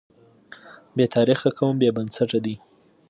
بې تاریخه قوم بې بنسټه دی.